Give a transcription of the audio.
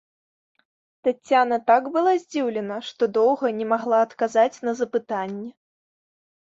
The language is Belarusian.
Таццяна так была здзіўлена, што доўга не магла адказаць на запытанні.